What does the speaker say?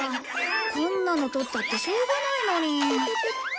こんなの撮ったってしょうがないのに。